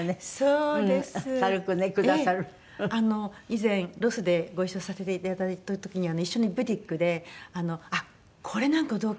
以前ロスでご一緒させていただいた時にはね一緒にブティックで「これなんかどうかしら？」